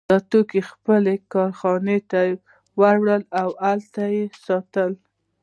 دا توکي خپلې کارخانې ته وړي او هلته یې ساتي